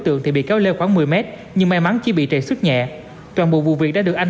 tượng thì bị kéo leo khoảng một mươi m nhưng may mắn chỉ bị trầy xuất nhẹ toàn bộ vụ việc đã được anh